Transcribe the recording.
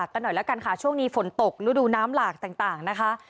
กันหน่อยแล้วกันค่ะช่วงนี้ฝนตกฤดูน้ำหลากต่างนะคะ